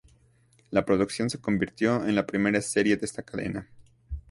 La producción se convirtió en la primera serie de esa cadena.